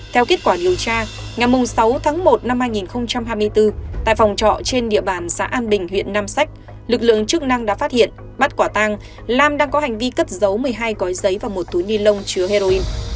theo kết quả điều tra ngày sáu tháng một năm hai nghìn hai mươi bốn tại phòng trọ trên địa bàn xã an bình huyện nam sách lực lượng chức năng đã phát hiện bắt quả tang lam đang có hành vi cất giấu một mươi hai gói giấy và một túi ni lông chứa heroin